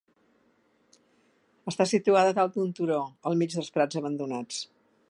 Està situada a dalt d'un turó, al mig dels prats abandonats.